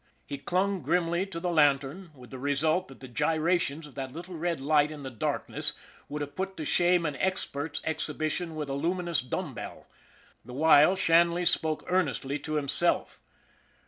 He clung grimly to the lantern, with the result that the gyrations of that little red light in the darkness would have put to shame an expert's exhibition with a luminous dumb bell. The while Shanley spoke earnestly to himself.